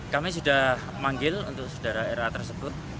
kami sudah manggil untuk saudara ra tersebut